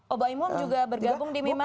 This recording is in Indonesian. oh mbak emong juga bergabung di mimes